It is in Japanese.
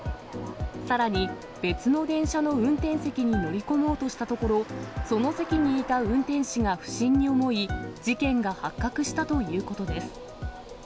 さらに、別の電車の運転席に乗り込もうとしたところ、その席にいた運転士が不審に思い、事件が発覚したということです。